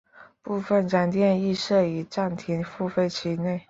部分商店亦设于站厅付费区内。